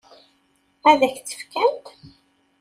Ad k-tt-fkent?